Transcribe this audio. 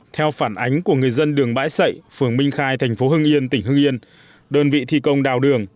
theo phản ánh của người dân đường bãi sậy phường minh khai thành phố hưng yên tỉnh hưng yên đơn vị thi công đào đường